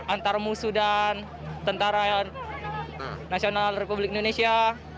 antar musuh dan tentara yang national republic indonesia